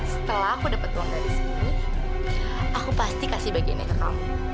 setelah aku dapat uang dari sini aku pasti kasih baju ini ke kamu